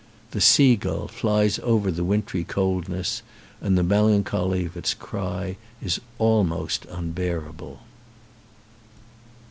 The seagull flies over the wintry coldness and the melancholy of its cry is almost unbearable.